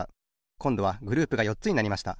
こんどはグループがよっつになりました。